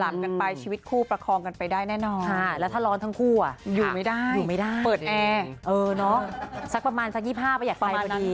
ไม่เปลี่ยนมากกว่า